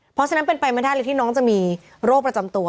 เพราะฉะนั้นเป็นไปไม่ได้เลยที่น้องจะมีโรคประจำตัว